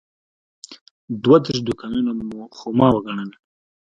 دوه دېرش دوکانونه خو ما وګڼل.